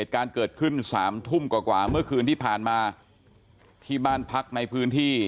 การเกิดขึ้นสามทุ่มกว่าเมื่อคืนที่ผ่านมาที่บ้านพักในพื้นที่